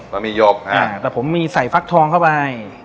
หมี่หยกแต่ผมมีใส่ฟักทองเข้าไป